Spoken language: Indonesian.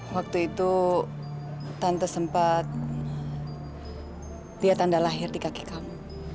waktu itu tante sempat dia tanda lahir di kaki kamu